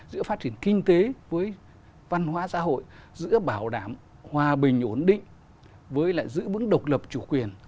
giữa phát triển kinh tế với văn hóa xã hội giữa bảo đảm hòa bình ổn định với lại giữ vững độc lập chủ quyền